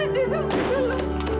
ndre tunggu dulu